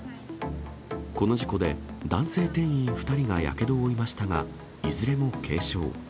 この事故で男性店員２人がやけどを負いましたが、いずれも軽傷。